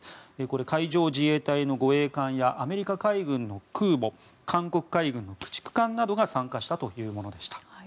これ、海上自衛隊の護衛艦やアメリカ海軍の空母韓国海軍の駆逐艦などが参加したものでした。